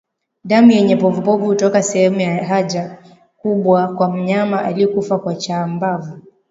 Damu yenye povupovu hutoka sehemu ya haja kubwa kwa mnyama aliyekufa kwa chambavu